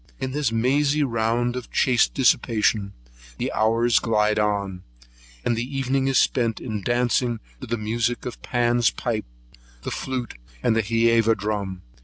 In this mazy round of chaste dissipation, the hours glide gently on, and the evening is spent in dancing to the music of Pan's pipes, the flute, and hæva drum.